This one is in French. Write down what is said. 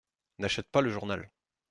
N’achète pas le journal !